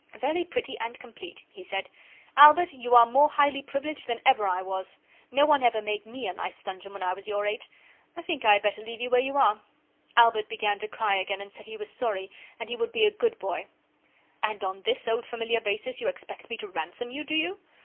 'Very pretty and complete,' he said. 'Albert, you are more highly privileged than ever I was. No one ever made me a nice dungeon when I was your age. I think I had better leave you where you are.' Albert began to cry again and said he was sorry, and he would be a good boy. 'And on this old familiar basis you expect me to ransom you, do you?